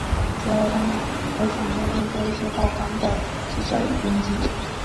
此后他还曾担任过一些报刊的记者与编辑。